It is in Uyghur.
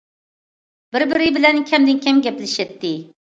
بىر- بىرى بىلەن كەمدىن كەم گەپلىشەتتى.